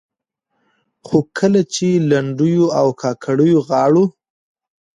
خو کله چې لنډيو او کاکړيو غاړو